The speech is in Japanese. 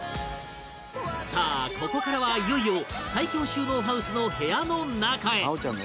さあここからはいよいよ最強収納ハウスの部屋の中へ